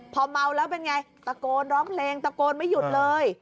พอเมาแล้วเป็นไงตะโกนร้องเพลงตะโกนไม่หยุดเลย